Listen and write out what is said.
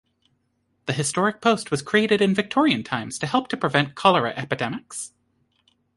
The historic post was created in Victorian times to help to prevent cholera epidemics.